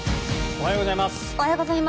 おはようございます。